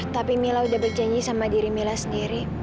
tapi mila udah berjanji sama diri mila sendiri